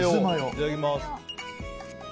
いただきます。